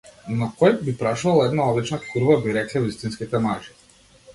Но кој би прашувал една обична курва, би рекле вистинските мажи.